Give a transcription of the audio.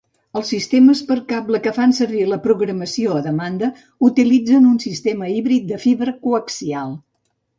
Els sistemes per cable que fan servir la programació a demanda utilitzen un sistema híbrid de fibra coaxial.